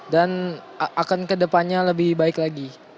dan akan kedepannya lebih baik lagi